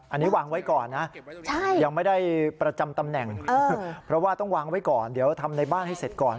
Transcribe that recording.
อันนี้วางไว้ก่อนนะยังไม่ได้ประจำตำแหน่งเพราะว่าต้องวางไว้ก่อนเดี๋ยวทำในบ้านให้เสร็จก่อน